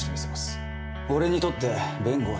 俺にとって弁護は治療だ。